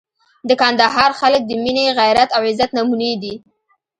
د کندهار خلک د مینې، غیرت او عزت نمونې دي.